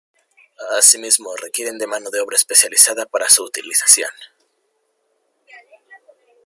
Asimismo, requieren mano de obra especializada para su utilización.